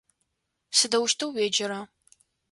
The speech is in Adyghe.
Сыдэущтэу уеджэра?